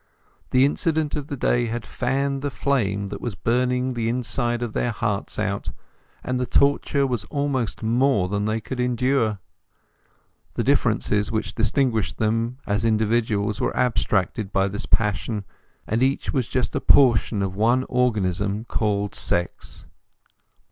The incident of the day had fanned the flame that was burning the inside of their hearts out, and the torture was almost more than they could endure. The differences which distinguished them as individuals were abstracted by this passion, and each was but portion of one organism called sex.